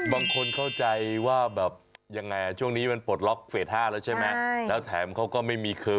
บางคนเข้าใจว่าแบบยังไงช่วงนี้มันปลดล็อกเฟส๕แล้วใช่ไหม